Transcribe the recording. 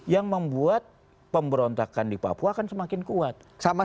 yang membuat pemberontakan di papua akan semakin kuat